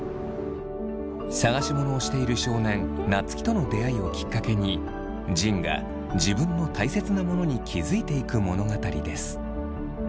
探し物をしている少年夏樹との出会いをきっかけに仁が自分のたいせつなモノに気付いていく物語です。